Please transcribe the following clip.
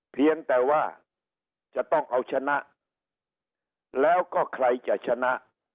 เพียงแต่ว่าจะต้องเอาชนะแล้วก็ใครจะชนะ